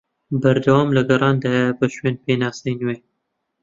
بەردەوام لە گەڕاندایە بە شوێن پێناسەی نوێ